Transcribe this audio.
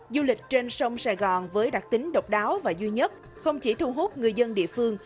du lịch trên sông sài gòn với đặc tính độc đáo và duy nhất không chỉ thu hút người dân địa phương